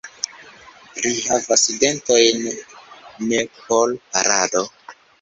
Li havas dentojn ne por parado.